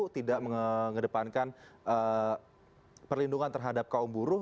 tidak mengedepankan perlindungan terhadap kaum buruh